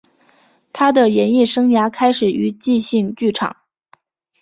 他的演艺生涯开始于即兴剧场。